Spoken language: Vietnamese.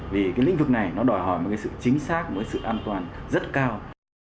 vì cái lĩnh vực này nó đòi hỏi một cái sự chính xác một sự an toàn rất cao